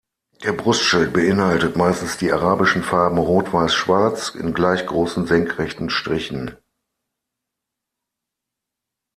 Der Brustschild beinhaltet meistens die arabischen Farben rot-weiß-schwarz in gleich großen senkrechten Strichen.